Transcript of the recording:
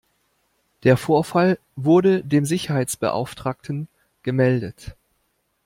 Der Vorfall wurde dem Sicherheitsbeauftragten gemeldet.